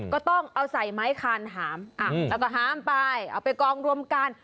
ก็ต้องเอาใส่ไม้คานหามแล้วก็หามไปเอาไปกองรวมกัน